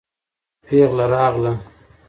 پېغله راغله.